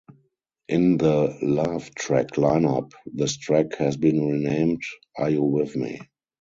In the "Love" track lineup, this track has been renamed "Are You With Me".